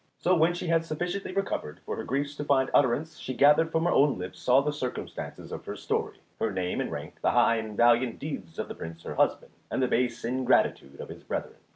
So, when she had sufficiently recovered, for her griefs to find utterance he gathered from her own lips all the circumstances of her story, her name and rank, the high and valiant deeds of the Prince her husband, and the base ingratitude of his brethren.